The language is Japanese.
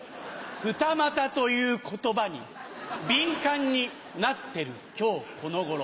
「フタマタ」という言葉に敏感になってる今日この頃。